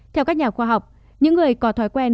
theo các nhà khoa học những người có thói quen